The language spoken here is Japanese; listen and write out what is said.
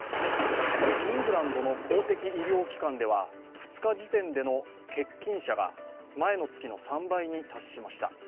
イングランドの公的医療機関では２日時点での欠勤者が前の月の３倍に達しました。